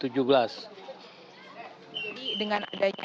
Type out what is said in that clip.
jadi dengan adanya